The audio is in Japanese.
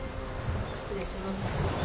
失礼します。